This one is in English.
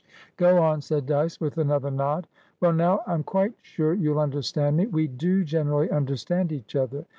"Go on," said Dyce, with another nod. "Well now, I'm quite sure you'll understand me. We do generally understand each other.